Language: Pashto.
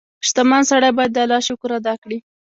• شتمن سړی باید د الله شکر ادا کړي.